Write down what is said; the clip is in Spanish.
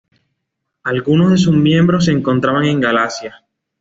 Algunos de sus miembros se encontraban en Galacia.